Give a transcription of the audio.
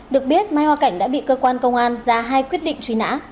được biết mai hoa cảnh đã bị cơ quan công an ra hai quyết định truy nã